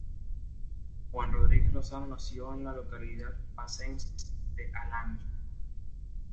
Juan Rodríguez Lozano nació en la localidad pacense de Alange.